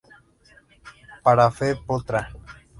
Para Fe.Po.Tra.